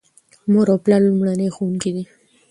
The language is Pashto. مور او پلار لومړني ښوونکي دي.